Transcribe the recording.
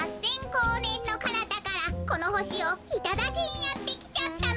こうねんのかなたからこのほしをいただきにやってきちゃったの。